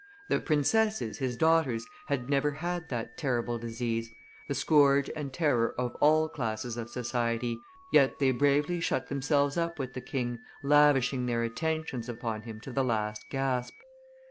The princesses, his daughters, had never had that terrible disease, the scourge and terror of all classes of society, yet they bravely shut themselves up with the king, lavishing their attentions upon him to the last gasp.